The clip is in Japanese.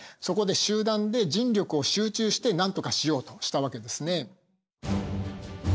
そこで集団で人力を集中してなんとかしようとしたわけですね。